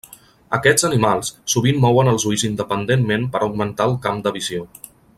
Aquests animals, sovint mouen els ulls independentment per augmentar el camp de visió.